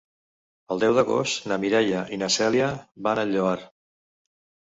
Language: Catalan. El deu d'agost na Mireia i na Cèlia van al Lloar.